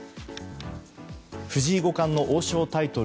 藤井五冠の王将タイトル